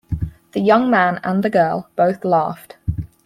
The young man and the girl both laughed.